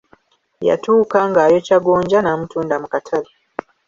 Yatuuka ng’ayokya gonja n'amutunda mu katale.